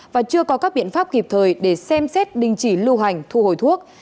và chưa có các biện pháp kịp thời để xem xét đình chỉ lưu hành thu hồi thuốc